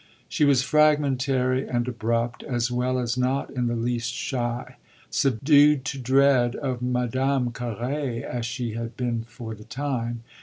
She was fragmentary and abrupt, as well as not in the least shy, subdued to dread of Madame Carré as she had been for the time.